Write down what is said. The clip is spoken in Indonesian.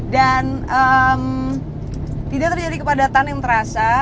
dan tidak terjadi kepadatan yang terasa